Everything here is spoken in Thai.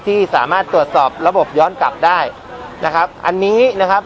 ที่สามารถตรวจสอบระบบย้อนกลับได้นะครับอันนี้นะครับ